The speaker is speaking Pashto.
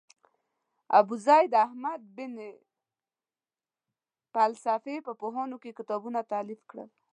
ابوزید احمد بن فلسفي په پوهنو کې کتابونه تالیف کړل.